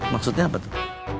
maksudnya apa tuh